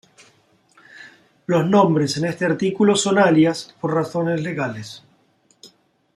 Los nombres en este artículo son alias, por razones legales.